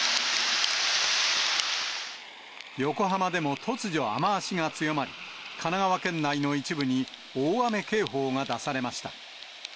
横浜でも突如雨足が強まり、神奈川県内の一部に大雨警報が出されました。